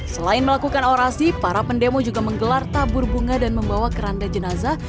selain melakukan orasi para pendemo juga menggelar tabur bunga dan membawa keranda jenazah